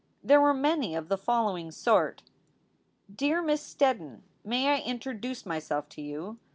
There were many of the following sort: DEAR Miss STEDDON May I interduce my self to you?